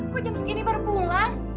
kok jam segini baru pulang